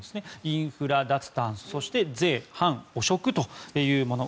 インフラ・脱炭素そして税・反汚職というもの。